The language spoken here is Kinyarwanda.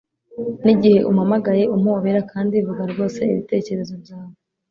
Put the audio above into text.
n'igihe umpamagaye, umpobera kandi vuga rwose ibitekerezo byawe